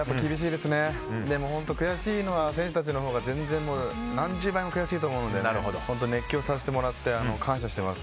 でも悔しいのは選手たちのほうが何十倍も悔しいと思うので本当、熱狂させてもらって感謝してます。